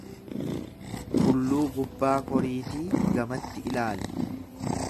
Tulluu gubbaa koriitii gamatti ilaali.